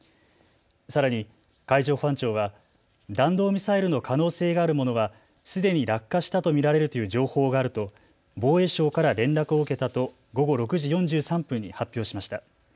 さらに海上保安庁は弾道ミサイルの可能性があるものはすでに落下したと見られるという情報があると防衛省から連絡を受けたと午後６時４３分に発表しました。